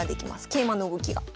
桂馬の動きが。